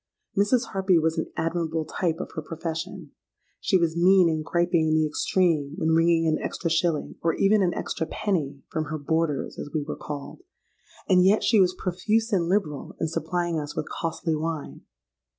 Mrs. Harpy was an admirable type of her profession. She was mean and griping in the extreme when wringing an extra shilling, or even an extra penny, from her boarders, as we were called; and yet she was profuse and liberal in supplying us with costly wine.